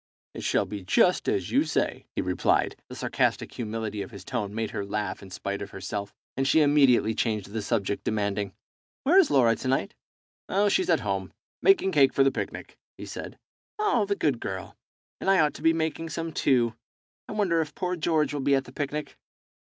It shall be just as you say," he replied. The sarcastic humility of his tone made her laugh in spite of herself, and she immediately changed the subject, demanding "Where is Laura to night?" "She's at home, making cake for the picnic," he said. "The good girl! and I ought to be making some, too. I wonder if poor George will be at the picnic?"